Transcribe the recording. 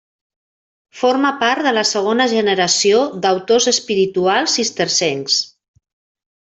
Forma part de la segona generació d'autors espirituals cistercencs.